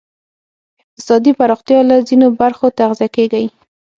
اقتصادي پراختیا له ځینو برخو تغذیه کېږی.